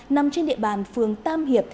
nằm trên địa bàn phường tam hiệp